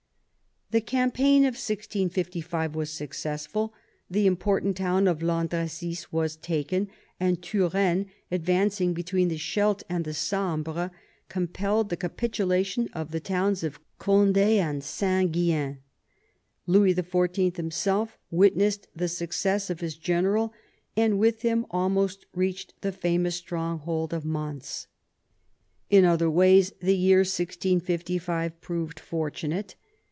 The campaign of 1655 was successful. The im portant town of Landrecies was taken, and Turenne, ad vancing between the Scheldt and the Sambre, compelled the capitulation of the towns of Cond^ and Saint Guillain. Louis XIV. himself witnessed the success of his general, and with him almost reached the famous stronghold of Mons. In other ways the year 1656 proved fortunate.